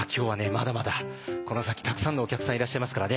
まだまだこの先たくさんのお客さんいらっしゃいますからね。